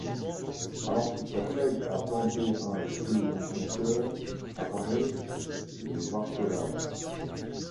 Alors qu'il s'apprête à planter un pieu dans son cœur apparaît le Vârcolac.